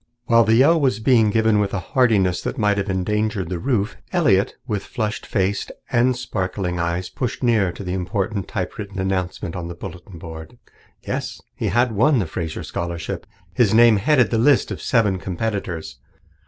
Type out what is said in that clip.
While the yell was being given with a heartiness that might have endangered the roof, Elliott, with flushed face and sparkling eyes, pushed nearer to the important typewritten announcement on the bulletin board. Yes, he had won the Fraser Scholarship. His name headed the list of seven competitors.